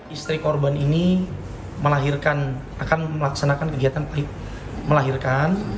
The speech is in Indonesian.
istri korban ini akan melaksanakan kegiatan melahirkan